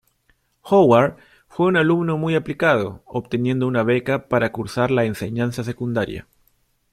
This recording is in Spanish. Howard fue un alumno muy aplicado, obteniendo una beca para cursar la enseñanza secundaria.